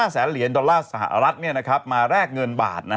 แสนเหรียญดอลลาร์สหรัฐมาแลกเงินบาท